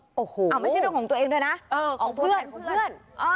ไม่ใช่ตัวของตัวเองด้วยนะเออของเพื่อน